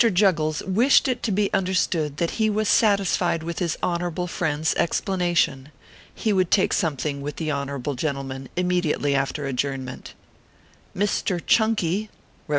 JUGGLES wished it to be understood that he was satisfied with his Honorable friend s explanation. Be would take something with the Honorable Gentle man immediately after adjournment. Mr. CHUNKY (rep.